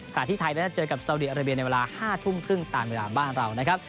ที่ไทยนั้นจะเจอกับสาวดีอาราเบียในเวลา๕ทุ่มครึ่งตามเวลาบ้านเรานะครับ